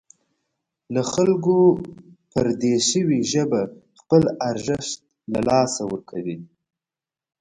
له خلکو پردۍ شوې ژبه خپل ارزښت له لاسه ورکوي.